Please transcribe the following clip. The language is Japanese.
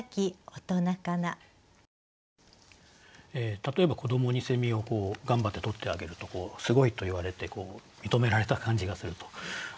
例えば子どもにを頑張って捕ってあげると「すごい」と言われて認められた感じがすると。